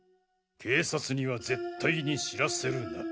警察には絶対に知らせるな。